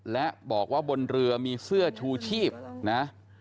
และบอกว่าบนเรือมีเสื้อชูชีพนะ